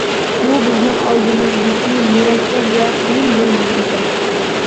بۇ، بىزنىڭ ئالدىمىزدىكى مۇرەككەپ ۋە قىيىن بىر ۋەزىپە.